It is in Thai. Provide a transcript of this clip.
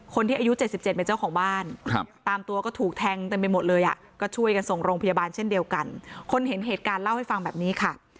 คนที่อายุ๗๗เป็นเจ้าของบ้านตามตัวก็ถูกแทงเต็มไปหมดเลยอ่ะก็ช่วยกันส่งโรงพยาบาลเช่นเดียวกันคนเห็นเหตุการณ์เล่าให้ฟังแบบนี้ค่ะ